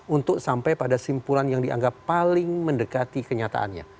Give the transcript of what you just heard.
untuk sampai pada simpulan yang dianggap paling mendekati kenyataannya